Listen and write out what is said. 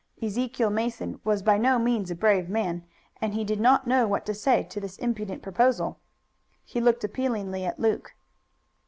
Ezekiel Mason was by no means a brave man and he did not know what to say to this impudent proposal. He looked appealingly at Luke.